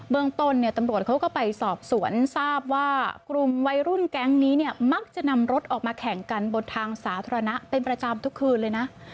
เมืองต้นเนี่ยตำรวจเขาก็ไปสอบสวนทราบว่ากลุ่มวัยรุ่นแก๊งนี้เนี่ยมักจะนำรถออกมาแข่งกันบนทางสาธารณะเป็นประจำทุกคืนเลยนะ